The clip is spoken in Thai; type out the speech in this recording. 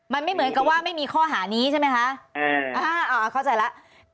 มันไม่เหมือนกับว่าไม่มีข้อหานี้ใช่ไหมคะเข้าใจแล้ว